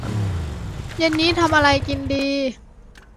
เย็นนี้ทำอะไรกินดี